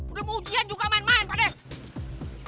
udah mau ujian juga main main pak deh